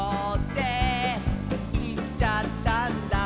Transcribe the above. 「いっちゃったんだ」